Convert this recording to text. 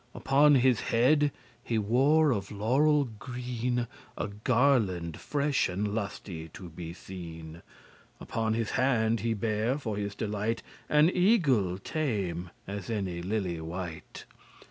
Upon his head he wore of laurel green A garland fresh and lusty to be seen; Upon his hand he bare, for his delight, An eagle tame, as any lily white.